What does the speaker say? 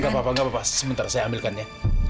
gak apa apa gak apa apa sebentar saya ambilkannya